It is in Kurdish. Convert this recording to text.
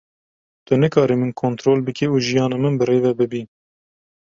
Tu nikarî min kontrol bikî û jiyana min bi rê ve bibî.